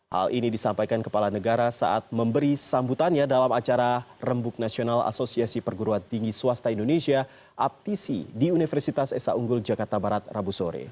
hal ini disampaikan kepala negara saat memberi sambutannya dalam acara rembuk nasional asosiasi perguruan tinggi swasta indonesia aptisi di universitas esa unggul jakarta barat rabu sore